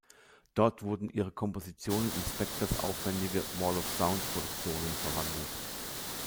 Dort wurden ihre Kompositionen in Spector’s aufwändige "Wall of Sound"-Produktionen verwandelt.